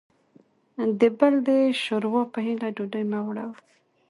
دبل دشوروا په هیله ډوډۍ مه وړه وه